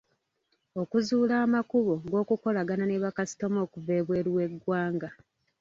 Okuzuula amakubo g’okukolagana ne bakasitoma okuva ebweru w’eggwanga.